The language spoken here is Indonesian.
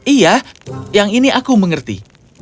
iya yang ini aku mengerti